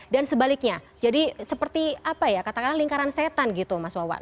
dan sebaliknya jadi seperti apa ya katakanlah lingkaran setan gitu mas wawan